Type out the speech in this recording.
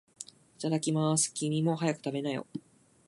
いただきまーす。君も、早く食べなよ。